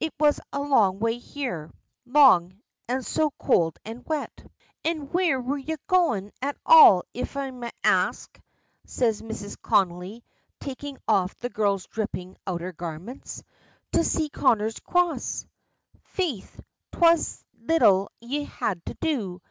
"It was a long way here long, and so cold and wet." "An' where were ye goin' at all, if I may ax?" says Mrs. Connolly, taking off the girl's dripping outer garments. "To see Connor's Cross " "Faith, 'twas little ye had to do!